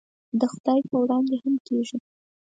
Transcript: د خدای په وړاندې هم کېږي.